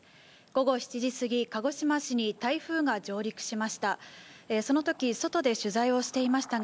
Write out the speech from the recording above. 午後７時過ぎ、鹿児島市に台風が上陸しました。